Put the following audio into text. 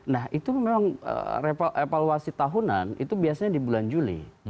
nah itu memang evaluasi tahunan itu biasanya di bulan juli